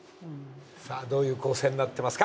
さあどういう構成になってますか。